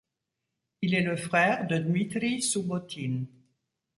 Il est le frère de Dmitri Soubbotine.